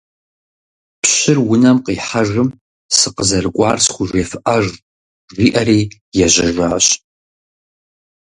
Пщыр унэм къихьэжым сыкъызэрыкӀуар схужефӏэж, жиӀэри ежьэжащ.